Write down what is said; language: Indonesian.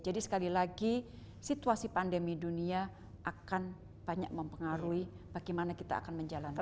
jadi sekali lagi situasi pandemi dunia akan banyak mempengaruhi bagaimana kita akan menjalankan